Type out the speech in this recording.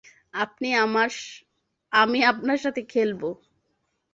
আমি আপনার সাথে খেলবো।